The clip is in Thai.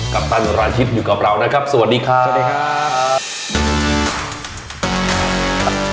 กัปตันหลายชิ้นอยู่กับเรานะครับสวัสดีค่ะสวัสดีค่ะ